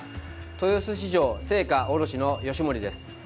豊洲市場青果卸の吉守です。